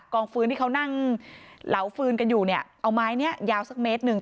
ฟื้นที่เขานั่งเหลาฟื้นกันอยู่เนี่ยเอาไม้นี้ยาวสักเมตรหนึ่ง